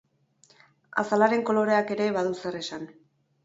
Azalaren koloreak ere badu zer esan.